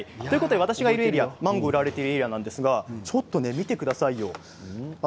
私がいるエリアもマンゴーが売られているエリアですが見てくださいよ。